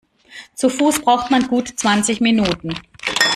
Zu Fuß braucht man gut zwanzig Minuten.